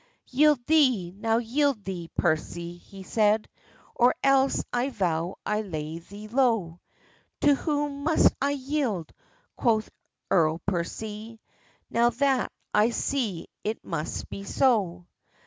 "Yield thee, now yield thee, Percy," he said, "Or else I vow I'll lay thee low!" "To whom must I yield," quoth Earl Percy, "Now that I see it must be so?"